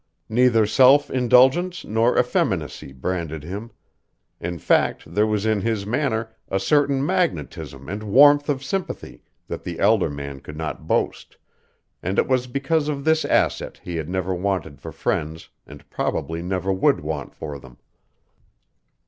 Neither self indulgence nor effeminacy branded him. In fact, there was in his manner a certain magnetism and warmth of sympathy that the elder man could not boast, and it was because of this asset he had never wanted for friends and probably never would want for them.